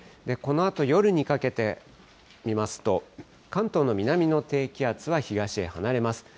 このあと、夜にかけて見ますと、関東の南の低気圧は東へ離れます。